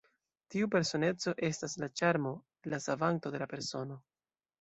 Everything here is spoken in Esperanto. Tiu personeco estas la ĉarmo, la savanto de la persono.